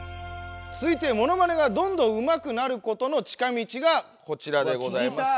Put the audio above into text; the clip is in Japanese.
つづいてモノマネがどんどんうまくなることの近道がこちらでございます！